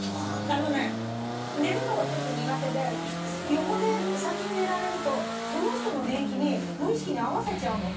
あのね寝るのがちょっと苦手で横で先に寝られるとその人の寝息に無意識に合わせちゃうので。